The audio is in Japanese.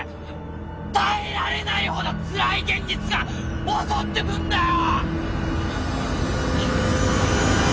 耐えられないほどつらい現実が襲ってくんだよ！